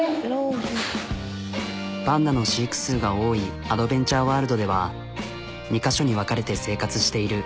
パンダの飼育数が多いアドベンチャーワールドでは２か所に分かれて生活している。